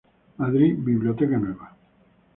Madrid: Biblioteca Nueva.